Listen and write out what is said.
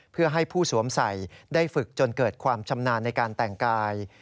เพื่อให้ผู้สวมใส่ได้ฝึกจนเกิดความชำนาญในการแต่งกาย